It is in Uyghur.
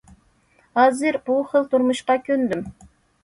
ھازىر بۇ خىل تۇرمۇشقا كۆندۈم.